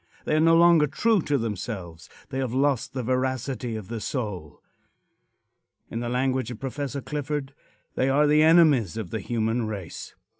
They are no longer true to themselves. They have lost the veracity of the soul. In the language of Prof. Clifford, "they are the enemies of the human race."